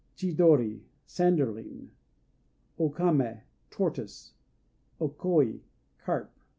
Chidori "Sanderling." O Kamé "Tortoise." O Koi "Carp."